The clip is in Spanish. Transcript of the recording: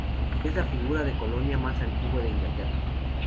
Es la figura de colina más antigua de Inglaterra.